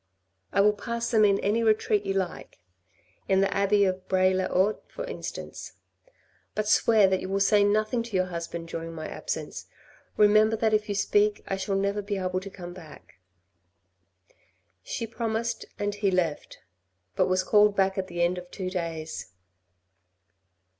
I will pass them in any retreat you like. In the abbey of Bray le Haut, for instance. But swear that you will say nothing to your husband during my absence. Remember that if you speak I shall never be able to come back." She promised and he left, but was called back at the end of two days.